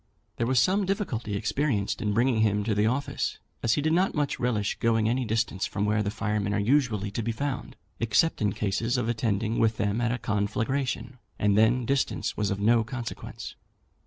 There was some difficulty experienced in bringing him to the office, as he did not much relish going any distance from where the firemen are usually to be found, except in cases of attending with them at a conflagration, and then distance was of no consequence.